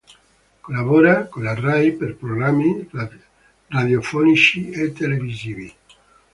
Collabora con la Rai per programmi radiofonici e televisivi.